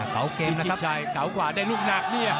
พี่ชิดชัยกาวขวาได้ลุกหนักเนี่ย